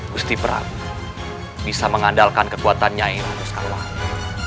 gusti prabu bisa mengandalkan kekuatannya nyai ratu sekarwangi